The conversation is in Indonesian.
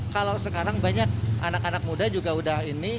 kalau sekarang banyak anak anak muda juga udah ini